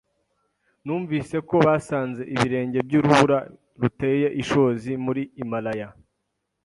Numvise ko basanze ibirenge byurubura ruteye ishozi muri Himalaya.